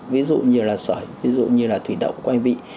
ví dụ như là sỏi ví dụ như là thủy đậu quay vị